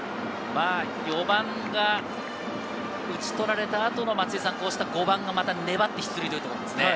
４番が打ち取られた後の、こうした５番がまた粘って出塁というところですね。